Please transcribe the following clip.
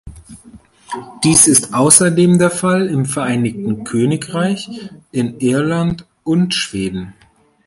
Dies ist außerdem der Fall im Vereinigten Königreich, in Irland und Schweden.